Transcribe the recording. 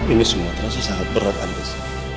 ini semua terasa sangat berat antes